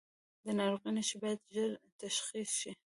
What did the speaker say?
د ناروغۍ نښې باید ژر تشخیص شي.